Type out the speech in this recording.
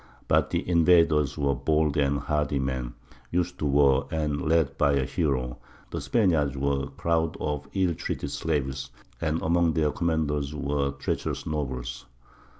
But the invaders were bold and hardy men, used to war, and led by a hero; the Spaniards were a crowd of ill treated slaves, and among their commanders were treacherous nobles.